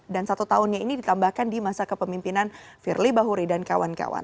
dan satu tahunnya ini ditambahkan di masa kepemimpinan firly bahuri dan kawan kawan